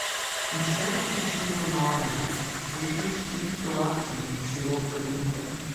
Instead of continuing onward, Baker changed direction and sailed for England.